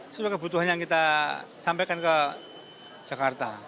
sesuai kebutuhan yang kita sampaikan ke jakarta